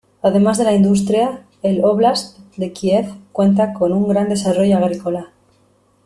Además de la industria, el óblast de Kiev cuenta con un gran desarrollo agrícola.